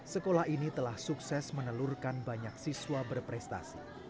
sekolah ini telah sukses menelurkan banyak siswa berprestasi